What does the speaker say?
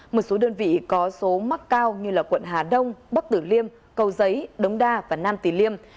một số đơn vị có số mắc cao như quận hà đông bắc tử liêm cầu giấy đống đa và nam tùy liêm